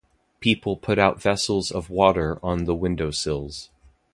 People put out vessels of water on the windowsills.